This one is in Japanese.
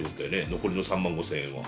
残りの３万５，０００円は。